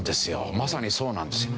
まさにそうなんですよ。